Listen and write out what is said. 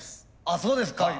あそうですか。